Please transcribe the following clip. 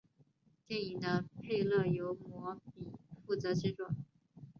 电影的配乐由魔比负责制作。